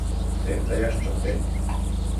¿Tedta yash chopec nëmbo ?